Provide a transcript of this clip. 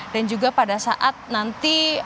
dan juga pada saat nanti